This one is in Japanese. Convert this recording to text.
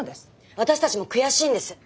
私たちも悔しいんです。